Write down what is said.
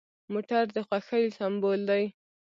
موټر د خوښۍ سمبول دی.